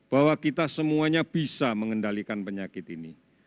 bahwa kita semuanya bisa mengendalikan penyakit ini